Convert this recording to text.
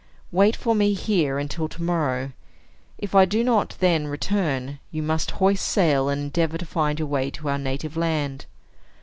Wait for me here until tomorrow. If I do not then return, you must hoist sail, and endeavor to find your way to our native land.